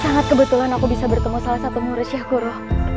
sangat kebetulan aku bisa bertemu salah satu murid syahkuro